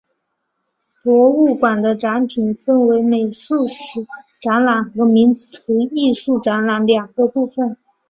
博物馆的展品分为美术史展览和民俗艺术展览两个部分。